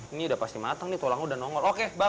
ini sudah pasti matang tulangnya sudah nongol